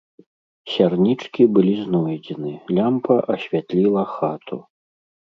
Сярнічкі былі знойдзены, лямпа асвятліла хату.